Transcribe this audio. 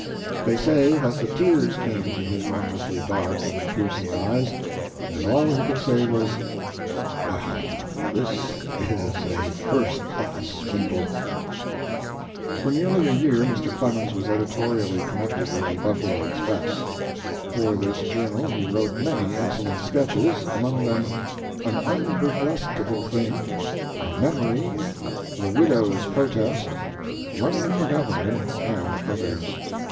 They say that the tears came to his won derfully dark and piercing eyes, and that all he could say was, Well, this is a first class swindle." For nearly a year Mr Clemens was editorally connected with the Buffalo Express. For this journal he wrote many excellent sketches, among them "An Unburlesqueable Thing," "A Memory," "The Widow s Protest," "Running for Governor" and others.